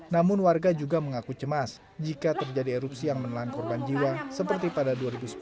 namun warga juga mengaku cemas jika terjadi erupsi yang menelan korban jiwa seperti pada dua ribu sepuluh